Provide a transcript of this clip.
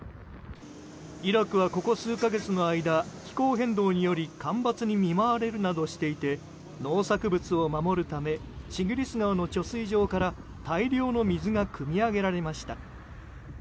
イラクは、ここ数か月の間気候変動により干ばつに見舞われるなどしていて農作物を守るためチグリス川の貯水場から大量の水がくみ上げられました。